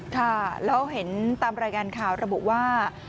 ค่ะแล้วเห็นตามรายงานข่าวระบุว่า